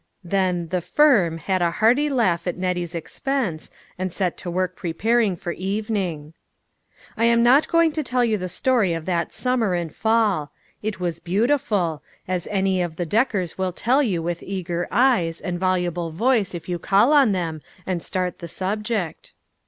Then "the firm" had a hearty laugh at Net tie's expense and set to work preparing for even ing. I am not going to tell you the story of that summer and fall. It was beautiful ; as any of the Deckers will tell you with eager eyes and voluble voice if you call on them, and start the subject.